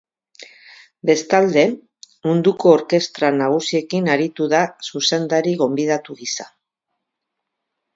Bestalde, munduko orkestra nagusiekin aritu da zuzendari gonbidatu gisa.